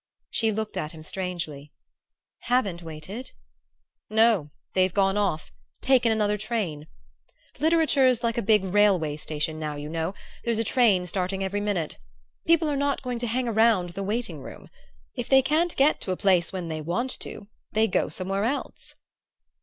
She looked at him strangely. "Haven't waited?" "No they've gone off; taken another train. Literature's like a big railway station now, you know: there's a train starting every minute. People are not going to hang round the waiting room. If they can't get to a place when they want to they go somewhere else."